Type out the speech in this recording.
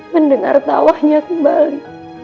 mendengar tawahnya kembali